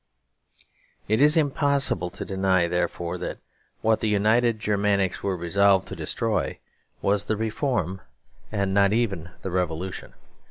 It is impossible to deny, therefore, that what the united Germanics were resolved to destroy was the reform and not even the Revolution.